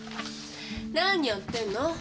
何やってんの？